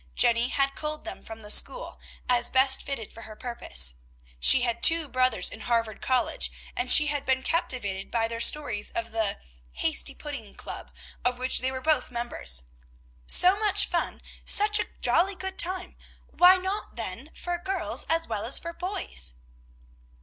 Jenny had culled them from the school, as best fitted for her purpose. She had two brothers in Harvard College, and she had been captivated by their stories of the "Hasty Pudding Club," of which they were both members. "So much fun! such a jolly good time! why not, then, for girls, as well as for boys?"